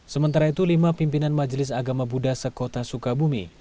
sementara itu lima pimpinan majelis agama buddha sekota sukabumi